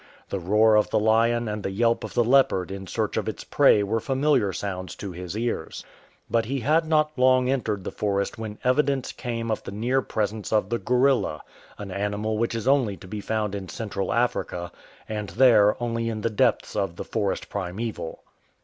The roar of the lion and the yelp of the leopard in search of its prey were familiar sounds to his ears. But he had not long entered the forest when evidence came of the near presence of the gorilla, an animal which is only to be found in Central Africa, and there only in the depths of " the forest primeval."